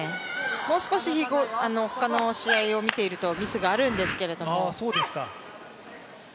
もう少しほかの試合を見ているとミスがあるんですけれども。